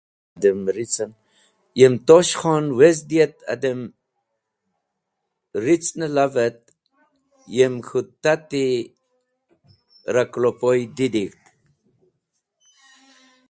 Yem Tosh Khon wezdi et adem ricn lav et yem k̃hũ tati ra kẽlapoy didig̃hd.